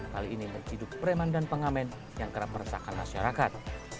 kali ini menciduk preman dan pengamen yang kerap meresahkan masyarakat